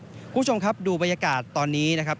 คุณผู้ชมครับดูบรรยากาศตอนนี้นะครับ